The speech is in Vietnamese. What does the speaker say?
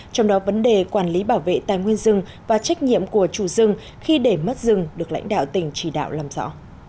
trong đó vấn đề quản lý bảo vệ tài nguyên rừng và trách nhiệm của chủ rừng khi để mất rừng được lãnh đạo tỉnh chỉ đạo làm rõ